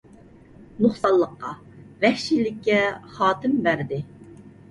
نۇقسانلىققا، ۋەھشىيلىككە خاتىمە بەردى.